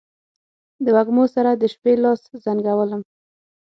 د وږمو سره، د شپې لاس زنګولم